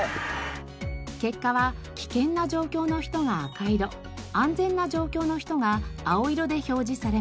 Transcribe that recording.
結果は危険な状況の人が赤色安全な状況の人が青色で表示されます。